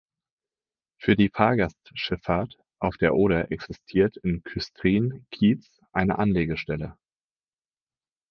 Für die Fahrgastschifffahrt auf der Oder existiert in Küstrin-Kietz eine Anlegestelle.